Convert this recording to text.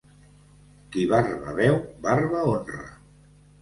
Qui barba veu, barba honra.